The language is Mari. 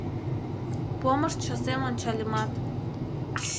Помыш часем ончальымат -